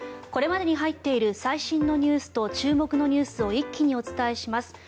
これまでに入っている最新のニュースと注目のニュースを一気にお伝えします。